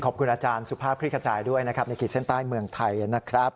ขอบคุณอาจารย์สุภาพคลิกขจายด้วยนะครับในขีดเส้นใต้เมืองไทยนะครับ